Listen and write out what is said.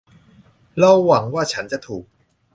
เราหวังว่าฉันจะถูก